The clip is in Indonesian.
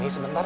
ya sudah pak